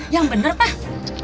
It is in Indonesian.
yang bener pak